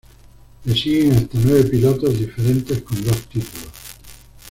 Le siguen hasta nueve pilotos diferentes con dos títulos.